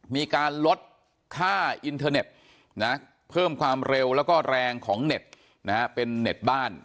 มีการลดค่าอินเทอร์เน็ตเพิ่มความเร็วแล้วก็แรงของเน็ตเป็นเน็ตบ้าน